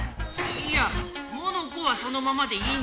いやモノコはそのままでいいんだよ。